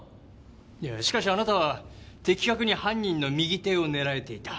いやしかしあなたは的確に犯人の右手を狙えていた。